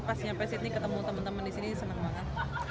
pas nyampe sydney ketemu temen temen di sini seneng banget